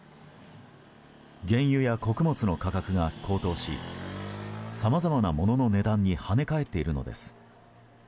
原油や穀物の価格が高騰しさまざまなものの値段に跳ね返っているのです。